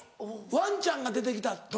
ワンちゃんが出てきた時？